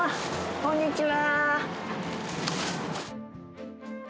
こんにちは。